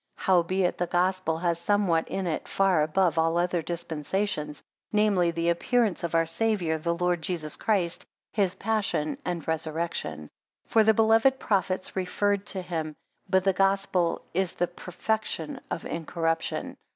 Howbeit the Gospel has somewhat in it far above all other dispensations; namely, the appearance of our Saviour, the Lord Jesus Christ, his passion and resurrection. 25 For the beloved prophets referred to him; but the Gospel is the perfection of incorruption.